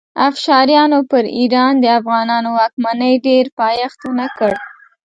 افشاریانو پر ایران د افغانانو واکمنۍ ډېر پایښت ونه کړ.